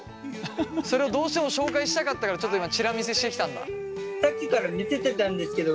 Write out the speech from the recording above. それをどうしても紹介したかったからちょっと今チラ見せしてきたんだ。